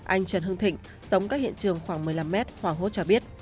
anh trần hưng thịnh sống các hiện trường khoảng một mươi năm m hoàng hốt cho biết